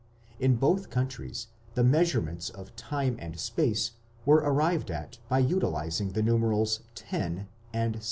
In both countries the measurements of time and space were arrived at by utilizing the numerals 10 and 6.